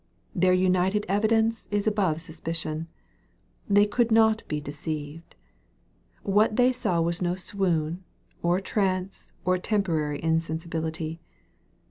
Their united evidence is above suspicion. They could not be deceived. What they saw was no swoon, or trance, or temporary insensibility.